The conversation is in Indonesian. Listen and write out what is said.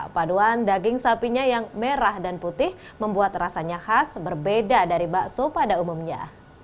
paduan daging sapinya yang merah dan putih membuat rasanya khas berbeda dari bakso pada umumnya